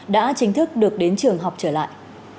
đã chính thức được đến trường học trở lại